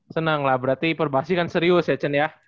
senang lah berarti perbasikan serius ya cen ya